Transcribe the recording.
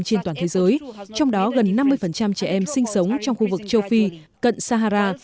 trên toàn thế giới trong đó gần năm mươi trẻ em sinh sống trong khu vực châu phi cận sahara